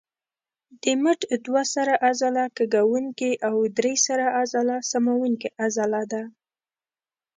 د مټ دوه سره عضله کږوونکې او درې سره عضله سموونکې عضله ده.